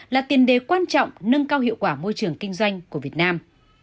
là tiền đề quan trọng nâng cao hiệu quả môi trường kinh doanh của việt nam